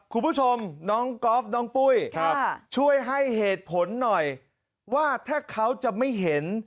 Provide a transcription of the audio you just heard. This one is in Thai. คุณผู้ชมน้องก๊อฟน้องปุ้ยช่วยให้เหตุผลหน่อยว่าถ้าเขาจะไม่เห็น